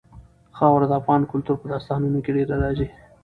خاوره د افغان کلتور په داستانونو کې ډېره راځي.